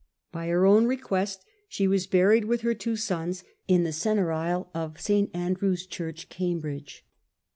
By her own request she was buried with her two sons in the centre aisle of St Andrew's Church, Cambridge.